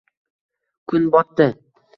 Kun botdi –